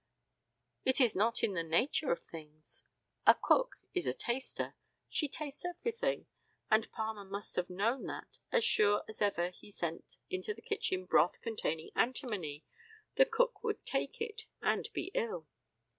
It is not in the nature of things. A cook is a taster, she tastes everything, and Palmer must have known that as sure as ever he sent into the kitchen broth containing antimony the cook would take it and be ill.